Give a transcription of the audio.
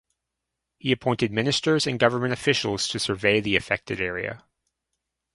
He appointed ministers and government officials to survey the affected area.